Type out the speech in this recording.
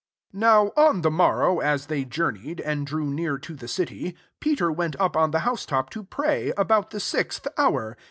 9 Now on the morrow, a8 they journeyed, and drew near to the city, Peter went up on the house top to pray, about the sixth hour.